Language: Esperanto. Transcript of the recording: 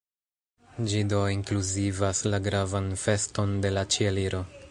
Ĝi do inkluzivas la gravan feston de la Ĉieliro.